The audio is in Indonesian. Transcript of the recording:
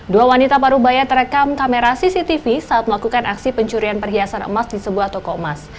dua wanita parubaya terekam kamera cctv saat melakukan aksi pencurian perhiasan emas di sebuah toko emas